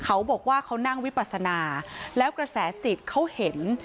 เขาบอกว่าเขานั่งวิปัสนาแล้วกระแสจิตเขาเห็น